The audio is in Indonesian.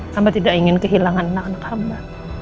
kamu tidak ingin kehilangan anak anak kamu